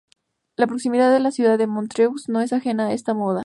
La proximidad de la ciudad de Montreux no es ajena a esta moda.